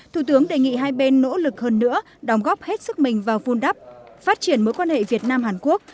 thủ tướng đề nghị hai bên nỗ lực hơn nữa đóng góp hết sức mình vào vun đắp phát triển mối quan hệ việt nam hàn quốc